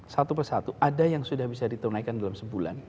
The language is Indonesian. satu persatu ada yang sudah bisa ditunaikan dalam sebulan